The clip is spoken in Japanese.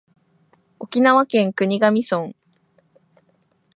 沖縄県国頭村